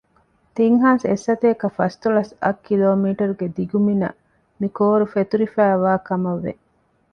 ތިން ހާސް އެއްސަތޭކަ ފަސްދޮޅަސް އަށް ކިލޯމީޓަރުގެ ދިގުމިނަށް މި ކޯރު ފެތުރިފައިވާ ކަމަށްވެ